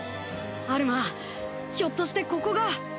アルマひょっとしてここが。